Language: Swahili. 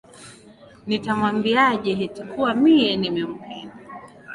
Nitamwambiaje eti kuwa miye nimempenda